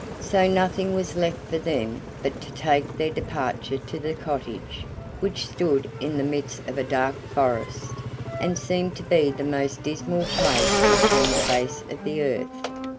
So nothing was left for them but to take their departure to the cottage, which stood in the midst of a dark forest, and seemed to be the most dismal place upon the face of the earth.